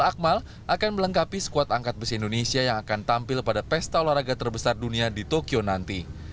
akmal akan melengkapi skuad angkat besi indonesia yang akan tampil pada pesta olahraga terbesar dunia di tokyo nanti